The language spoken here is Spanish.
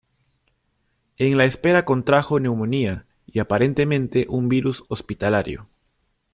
En la espera contrajo neumonía y aparentemente un virus hospitalario.